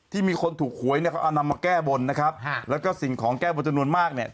มีคนถูกหวยเนี่ยเขาเอานำมาแก้บนนะครับแล้วก็สิ่งของแก้บนจำนวนมากเนี่ย